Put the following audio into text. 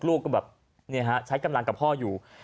ลูกก็แบบใช้กำลังกับพ่ออยู่